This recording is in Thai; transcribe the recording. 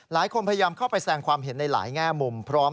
พยายามเข้าไปแสงความเห็นในหลายแง่มุมพร้อม